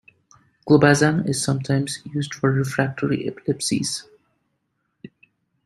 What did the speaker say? Clobazam is sometimes used for refractory epilepsies.